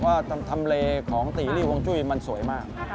ว่าทำเลของตีรี่วงจุ้ยมันสวยมาก